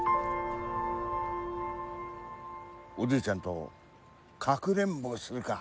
おじいちゃんとかくれんぼするか？